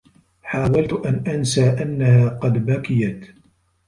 حاولت أن أنسى أنّها قد بكيت.